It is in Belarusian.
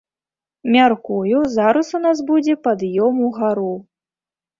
Мяркую, зараз у нас будзе пад'ём угару.